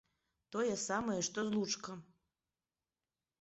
Тое самае, што злучка!